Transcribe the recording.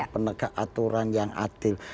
penegak aturan yang adil